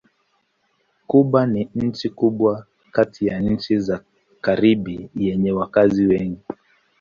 Kuba ni nchi kubwa kati ya nchi za Karibi yenye wakazi wengi.